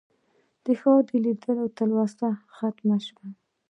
د ښار د لیدو تلوسه ختمه شي.